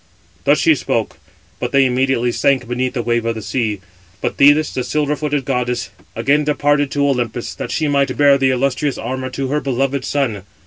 Thus she spoke, but they immediately sank beneath the wave of the sea. But Thetis, the silver footed goddess, again departed to Olympus, that she might bear the illustrious armour to her beloved son.